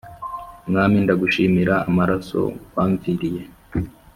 Mwami ndagushimira amaraso wamviriye